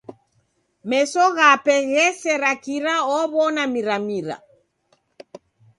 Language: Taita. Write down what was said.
Meso ghape ghesera kira aw'ona miramira.